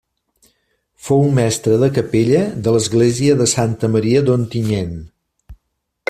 Fou mestre de capella de l'església de Santa Maria d'Ontinyent.